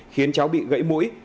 khiến cháu bị gãy mũi